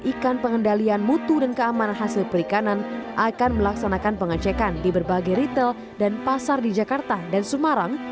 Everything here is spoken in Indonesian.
ikan pengendalian mutu dan keamanan hasil perikanan akan melaksanakan pengecekan di berbagai retail dan pasar di jakarta dan semarang